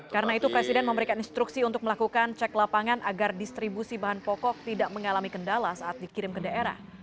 karena itu presiden memberikan instruksi untuk melakukan cek lapangan agar distribusi bahan pokok tidak mengalami kendala saat dikirim ke daerah